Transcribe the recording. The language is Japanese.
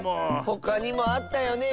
ほかにもあったよね